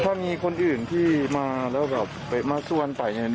ถ้ามีคนอื่นที่มาแล้วแบบมาชวนไป